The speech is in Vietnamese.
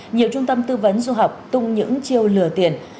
nhiều trung tâm tư vấn du học tung những chiêu lừa tiền